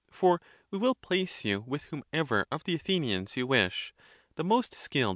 For we will place you with whomever of the Athenians you wish, the most skilled?